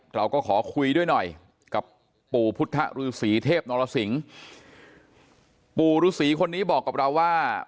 เราก็ขอคุยด้วยหน่อยกับปู่พุทธฤษีเทพนรสิงปู่ฤษีคนนี้บอกกับเราว่า